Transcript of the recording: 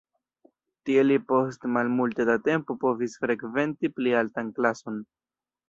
Tie li post malmulte da tempo povis frekventi pli altan klason.